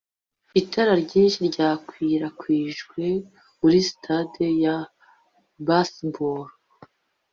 Itara ryinshi ryakwirakwijwe kuri stade ya baseball